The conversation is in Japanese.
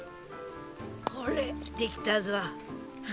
ほれできたぞ！